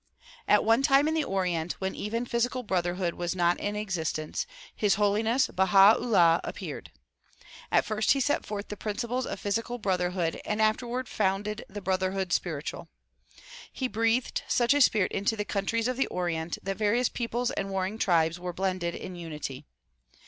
At a time in the Orient when even physical brotherhood was not in existence His Holiness Baha 'Ullah appeared. At first he set forth the principles of physical brotherhood and afterward founded the brotherhood spiritual. He breathed such a spirit into the countries of the Orient that various peoples and warring tribes were blended in unity.